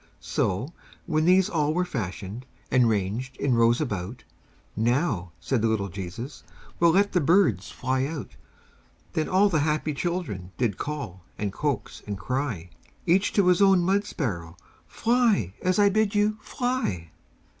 So, when these all were fashioned, And ranged in rows about, "Now," said the little Jesus, "We'll let the birds fly out." Then all the happy children Did call, and coax, and cry Each to his own mud sparrow: "Fly, as I bid you! Fly!"